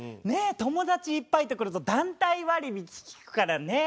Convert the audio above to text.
友達いっぱいと来ると団体割引利くからね。